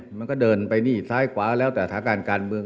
มันก็เดินไปนี่ซ้ายขวาแล้วแต่สถานการณ์การเมือง